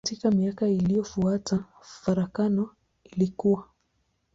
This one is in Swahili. Katika miaka iliyofuata farakano ilikua.